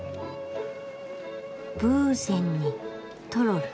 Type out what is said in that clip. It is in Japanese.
ブーセンにトロル。